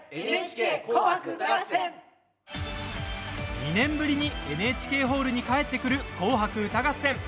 ２年ぶりにＮＨＫホールに帰ってくる「紅白歌合戦」。